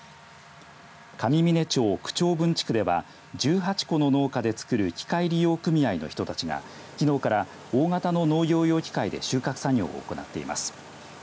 上峰町九丁分地区では１８戸の農家でつくる機械利用組合の人たちがきのうから、大型の農業用機械で収穫作業を行っています。